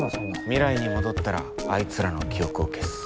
未来に戻ったらあいつらの記憶を消す。